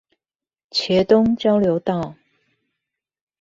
茄苳交流道